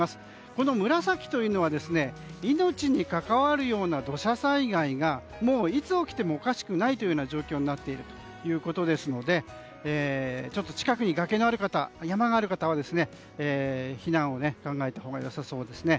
この紫というのは命に関わるような土砂災害がいつ起きてもおかしくない状況になっているということですので近くに崖のある方、山のある方は避難を考えたほうがよさそうですね。